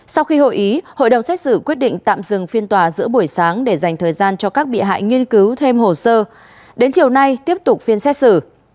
sau khi hội ý hội đồng xét xử quyết định tạm dừng phiên tòa giữa buổi sáng để dành thời gian cho các bị hại nghiên cứu thêm hồ sơ đến chiều nay tiếp tục phiên xét xử